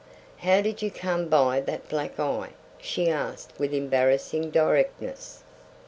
"How did you come by that black eye?" she asked with embarrassing directness.